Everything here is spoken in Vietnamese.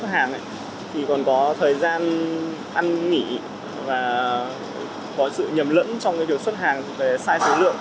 sử dụng hàng thì còn có thời gian ăn nghỉ và có sự nhầm lẫn trong cái kiểu xuất hàng về size số lượng